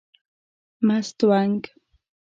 مستونگ